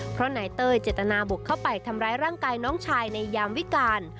เพราะนายเต้ยเจตนาบุกเข้าไปทำร้ายร่างกายน้องชายในยามวิการ